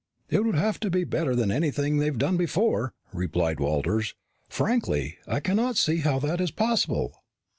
"It would have to be better than anything they've had before," replied Walters. "Frankly, I cannot see how that is possible."